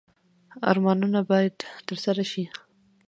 ارمانونه باید ترسره شي